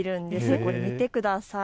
これ、見てください。